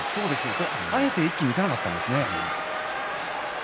あえて一気にいかなかったですね。